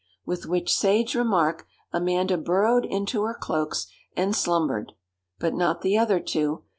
With which sage remark, Amanda burrowed into her cloaks and slumbered. But not the other two.